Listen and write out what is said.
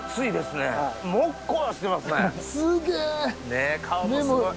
ねっ顔もすごい。